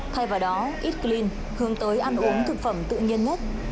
thay vào đó eat clean hướng tới ăn uống thực phẩm tự nhiên nhất